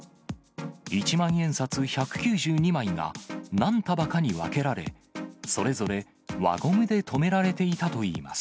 一万円札１９２枚が何束かに分けられ、それぞれ輪ゴムで留められていたといいます。